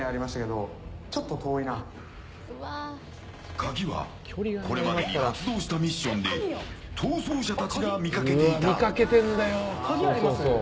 カギはこれまでに発動したミッションで逃走者たちが見かけていた。